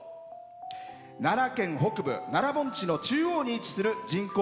奈良県北部、奈良盆地の中央に位置する人口